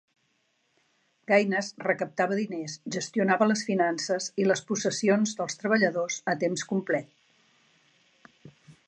Gaines recaptava diners, gestionava les finances i les possessions dels treballadors a temps complet.